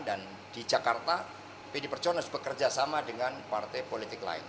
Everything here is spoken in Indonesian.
dan di jakarta pd perjuangan harus bekerja sama dengan partai politik lain